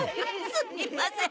すみません。